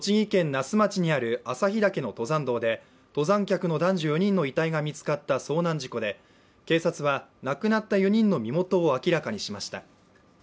那須町にある朝日岳の登山道で、登山客の男女４人の遺体が見つかった遭難事故で警察は亡くなった４人の身元を明らかにしました。